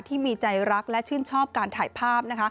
ที่มีใจรักและชื่นชอบการถ่ายภาพ